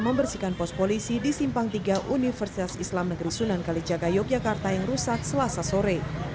membersihkan pos polisi di simpang tiga universitas islam negeri sunan kalijaga yogyakarta yang rusak selasa sore